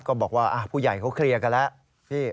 ก็บอกว่าผู้ใหญ่เขาเคลียร์กันแล้วพี่